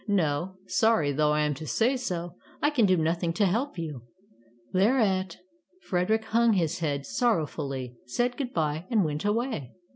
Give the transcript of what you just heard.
No, sorry though I am to say so, I can do nothing to help you.'' Thereat Frederick hung his head sorrow fully, said good bye, and went away.